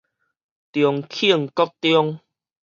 重慶國中